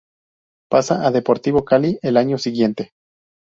Pasa a Deportivo Cali el año siguiente.